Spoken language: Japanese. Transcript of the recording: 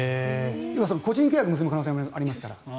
個人契約を結ぶ可能性もありますから。